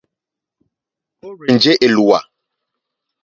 Ó rzènjé èlùwà.